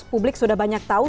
publik sudah banyak tahu